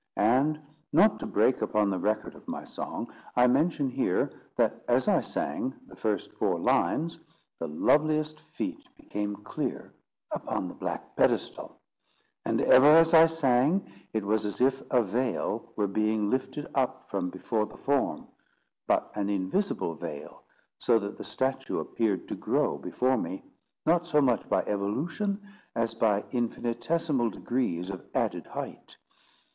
And not to break upon the record of my song, I mention here, that as I sang the first four lines, the loveliest feet became clear upon the black pedestal; and ever as I sang, it was as if a veil were being lifted up from before the form, but an invisible veil, so that the statue appeared to grow before me, not so much by evolution, as by infinitesimal degrees of added height.